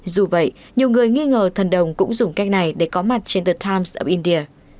dù vậy nhiều người nghi ngờ thần đồng cũng dùng cách này để có mặt trên the times india